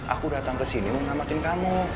aku datang ke sini mau ngamatin kamu